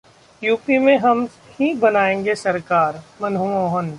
UP में हम ही बनाएंगे सरकार: मनमोहन